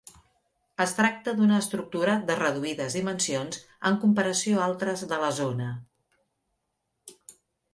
Es tracta d'una estructura de reduïdes dimensions en comparació a altres de la zona.